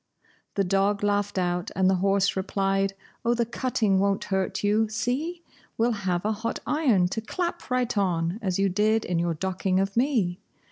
The dog laughed out, and the horse replied, "Oh, the cutting won't hurt you, see? We'll have a hot iron to clap right on, as you did in your docking of me!